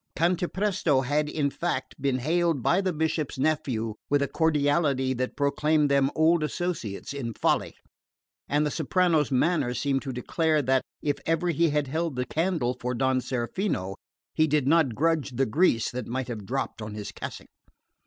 Cantapresto had, in fact, been hailed by the Bishop's nephew with a cordiality that proclaimed them old associates in folly; and the soprano's manner seemed to declare that, if ever he had held the candle for Don Serafino, he did not grudge the grease that might have dropped on his cassock.